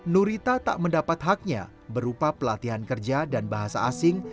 nurita tak mendapat haknya berupa pelatihan kerja dan bahasa asing